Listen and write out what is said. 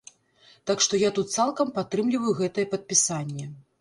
Так што я тут цалкам падтрымліваю гэтае падпісанне.